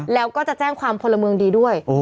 แล้วก็จะแจ้งความพลเมืองดีด้วย